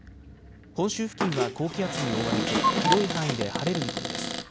本州付近は高気圧に覆われて広い範囲で晴れる見込みです。